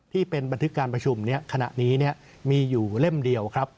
ที่เป็นบันทึกการประชุมขณะนี้มีอยู่เล่มเดียวครับ